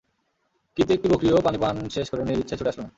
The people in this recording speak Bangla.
কিন্তু একটি বকরীও পানি পান শেষ করে নিজ ইচ্ছায় ছুটে আসল না।